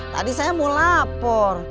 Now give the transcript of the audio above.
tadi saya mau lapor